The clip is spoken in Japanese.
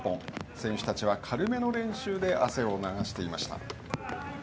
選手たちは軽めの練習で汗を流していました。